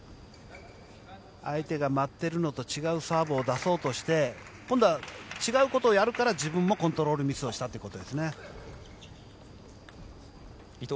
相手が待ってるのと違うサーブを出そうとして今度は違うことをやるから自分もコントロールミスをしたと。